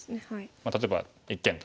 例えば一間トビ。